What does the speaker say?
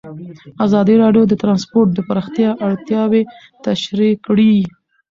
ازادي راډیو د ترانسپورټ د پراختیا اړتیاوې تشریح کړي.